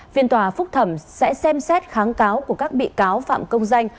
phiên tòa phúc thẩm sẽ xem xét kháng cáo của các bị cáo phạm công danh